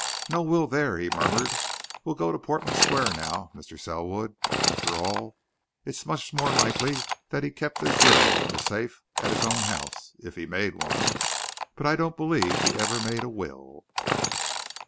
"No will there," he murmured. "We'll go on to Portman Square now, Mr. Selwood. After all, it's much more likely that he'd keep his will in the safe at his own house if he made one. But I don't believe he ever made a will."